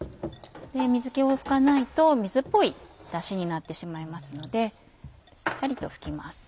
水気を拭かないと水っぽいだしになってしまいますのでしっかりと拭きます。